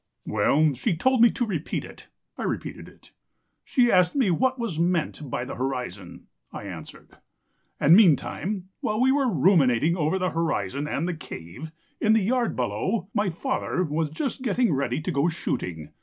"Well, she told me to repeat it. I repeated it. She asked me what was meant by the horizon. I answered. And meantime, while we were ruminating over the horizon and the Cave, in the yard below, my father was just getting ready to go shooting.